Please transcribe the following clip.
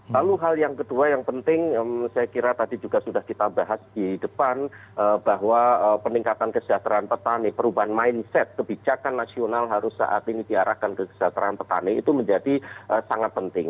lalu hal yang kedua yang penting saya kira tadi juga sudah kita bahas di depan bahwa peningkatan kesejahteraan petani perubahan mindset kebijakan nasional harus saat ini diarahkan ke kesejahteraan petani itu menjadi sangat penting